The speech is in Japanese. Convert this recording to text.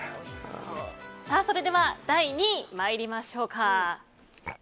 それでは第２位、参りましょう。